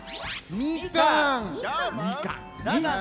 みかんね。